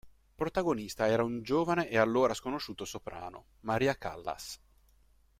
Protagonista era un giovane e allora sconosciuto soprano, Maria Callas.